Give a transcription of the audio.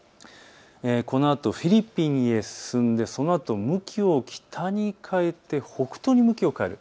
このあとフィリピンへ進んでそのあと向きを北に変えて北東に向きを変える。